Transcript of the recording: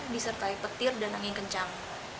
disertai petir dan angin kencang